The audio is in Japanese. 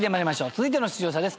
続いての出場者です。